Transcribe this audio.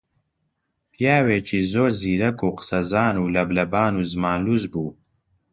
پیاوێکی زۆر زیرەک و قسەزان و لەبلەبان و زمانلووس بوو